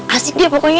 asik dia pokoknya